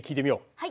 はい。